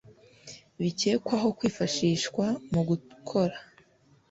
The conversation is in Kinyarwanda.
Bikekwaho kwifashishwa mu gukora